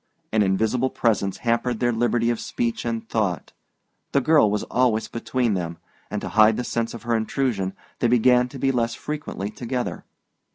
An invisible presence hampered their liberty of speech and thought. The girl was always between them; and to hide the sense of her intrusion they began to be less frequently together.